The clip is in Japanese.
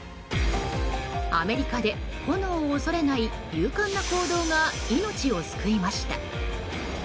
アメリカで炎を恐れない勇敢な行動が命を救いました。